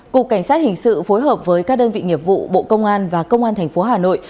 cục cảnh sát hình sự phối hợp với các đơn vị nghiệp vụ bộ công an và công an tp hà nội